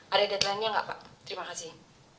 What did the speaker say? ada deadline nya nggak pak terima kasih